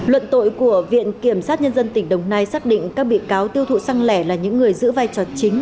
luận tội của viện kiểm sát nhân dân tỉnh đồng nai xác định các bị cáo tiêu thụ xăng lẻ là những người giữ vai trò chính